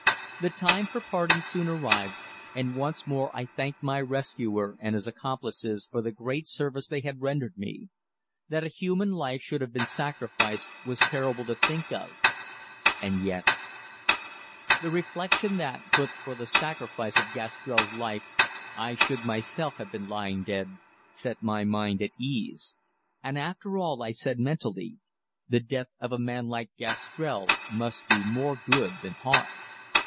The time for parting soon arrived, and once more I thanked my rescuer and his accomplices for the great service they had rendered me. That a human life should have been sacrificed was terrible to think of, and yet The reflection that, but for the sacrifice of Gastrell's life, I should myself have been lying dead, set my mind at ease; and after all, I said mentally, the death of a man like Gastrell must do more good than harm.